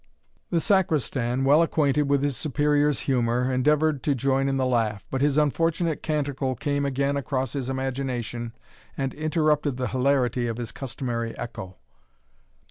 The Sacristan, well acquainted with his Superior's humour, endeavoured to join in the laugh, but his unfortunate canticle came again across his imagination, and interrupted the hilarity of his customary echo.